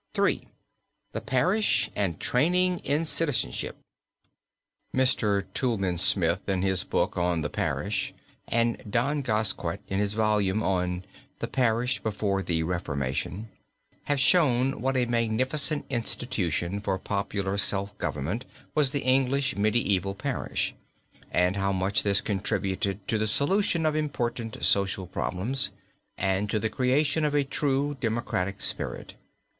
III. THE PARISH, AND TRAINING IN CITIZENSHIP. Mr. Toulmin Smith, in his book on "The Parish," and Dom Gasquet, in his volume on "The Parish Before the Reformation," have shown what a magnificent institution for popular self government was the English medieval parish, and how much this contributed to the solution of important social problems and to the creation of a true democratic spirit.